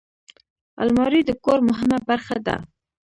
الماري د کور مهمه برخه ده